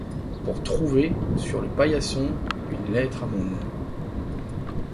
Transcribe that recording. Pour trouver, sur le paillasson, une lettre à mon nom.